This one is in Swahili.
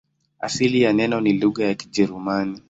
Asili ya neno ni lugha ya Kijerumani.